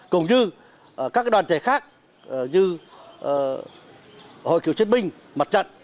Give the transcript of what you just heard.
cũng như các đoàn thể khác như hội cựu chiến binh mặt trận